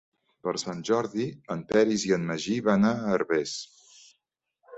Per Sant Jordi en Peris i en Magí van a Herbers.